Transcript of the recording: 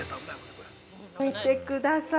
◆見てください！